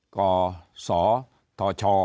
กศธช